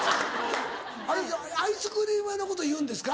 あれアイスクリーム屋のこと言うんですか？